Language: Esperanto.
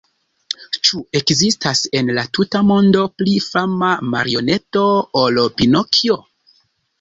Ĉu ekzistas, en la tuta mondo, pli fama marioneto ol Pinokjo?